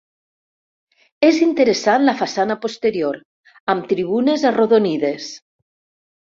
És interessant la façana posterior, amb tribunes arrodonides.